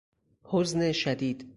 حزن شدید